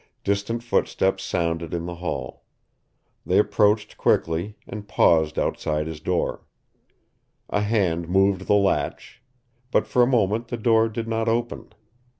Distant footsteps sounded in the hall. They approached quickly and paused outside his door. A hand moved the latch, but for a moment the door did not open.